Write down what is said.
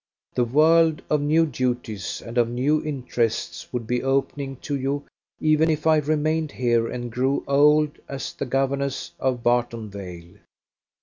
The world of new duties and of new interests would be opening to you even if I remained here and grew old as the governess of Barton Vale.